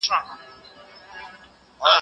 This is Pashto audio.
لرګي راوړه.